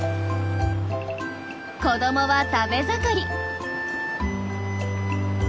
子どもは食べ盛り。